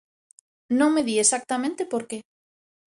Non me di exactamente por que.